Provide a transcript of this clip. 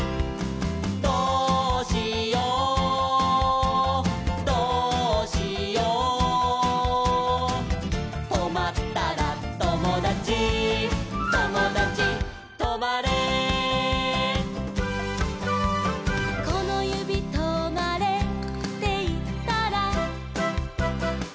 「どうしようどうしよう」「とまったらともだちともだちとまれ」「このゆびとまれっていったら」